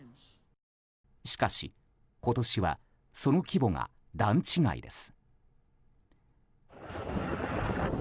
しかし、今年はその規模が段違いです。